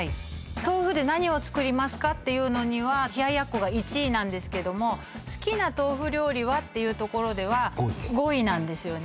「豆腐で何を作りますか？」っていうのには冷奴が１位なんですけども「好きな豆腐料理は？」っていうところでは５位なんですよね